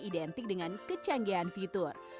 identik dengan kecanggihan fitur